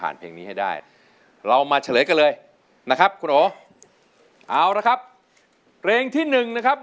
ร้องได้หรือว่าร้องพิษ